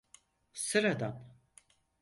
Sıradan.